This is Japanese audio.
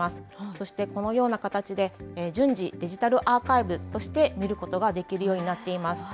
そしてこのような形で、順次、デジタルアーカイブとして見ることができるようになっています。